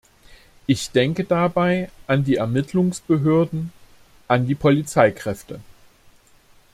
Ich denke dabei an die Ermittlungsbehörden, an die Polizeikräfte.